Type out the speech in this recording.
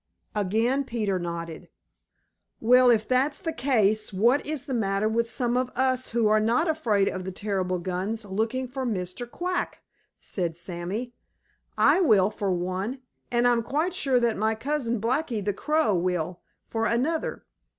Again Peter nodded. "Well, if that's the case, what is the matter with some of us who are not afraid of the terrible guns looking for Mr. Quack?" said Sammy. "I will, for one, and I'm quite sure that my cousin, Blacky the Crow, will, for another.